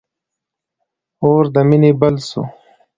اور د مینی بل سو